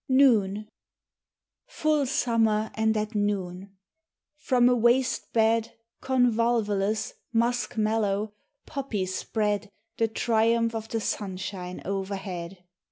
84 FULL summer and at noon ; from a waste bed Convolvulus, musk mallow, poppies spread The triumph of the sunshine overhead.